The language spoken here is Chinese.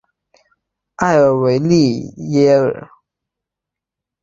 莫尔维利耶尔。